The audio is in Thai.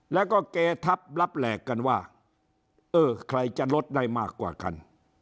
แล้วก็เกทับรับแหลกกันว่าเออใครจะลดได้มากกว่ากัน